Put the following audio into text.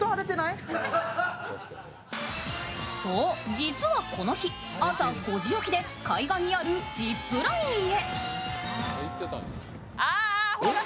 実はこの日、朝５時起きで海岸にあるジップラインへ。